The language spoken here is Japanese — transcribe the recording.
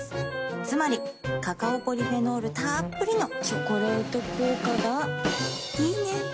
つまりカカオポリフェノールたっぷりの「チョコレート効果」がいいね。